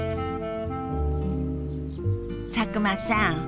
佐久間さん